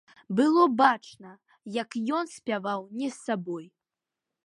Было бачна, як ён спяваў не сабой.